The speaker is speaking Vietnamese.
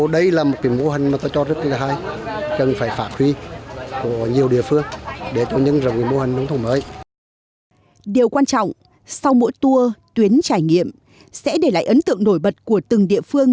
điều quan trọng sau mỗi tour tuyến trải nghiệm sẽ để lại ấn tượng nổi bật của từng địa phương